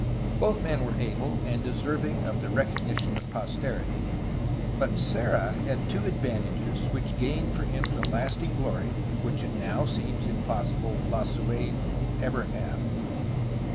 Both men were able, and deserving of the recognition of posterity, but Serra had two advantages which gained for him the lasting glory which it now seems impossible Lasu^n will ever have.